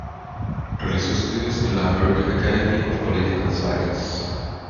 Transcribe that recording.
Realizó estudios en la American Academy of Political Science.